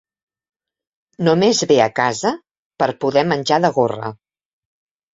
Només ve a casa per poder menjar de gorra.